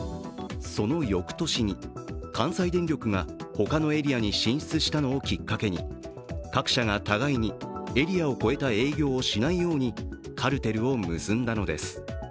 その翌年に関西電力が、ほかのエリアに進出したのをきっかけに各社が互いにエリアを越えた営業をしないようにカルテルを結んだのです。